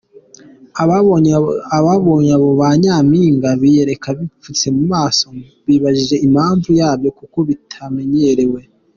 Ababonye abo ba Nyampinga biyereka bipfuse mu maso bibajije impamvu yabyo kuko bitamenyerewe.